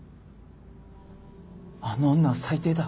あの女は最低だ。